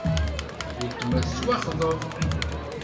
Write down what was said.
Uletma tettwaxḍeb.